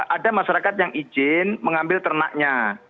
ada masyarakat yang izin mengambil ternaknya